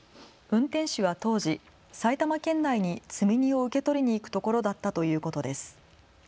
運転手は当時、埼玉県内に積み荷を受け取りに行くところだったということです。